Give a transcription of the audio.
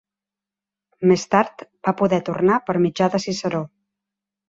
Més tard va poder tornar per mitjà de Ciceró.